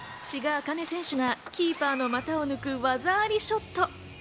志賀紅音選手がキーパーの技を抜く技ありショット。